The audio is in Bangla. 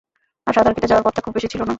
আর সাঁতার কেটে যাওয়ার পথটা খুব বেশি ছিল না।